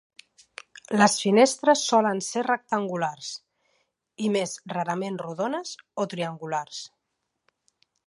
Les finestres solen ser rectangulars, i més rarament rodones o triangulars.